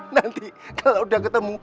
nanti kalau udah ketemu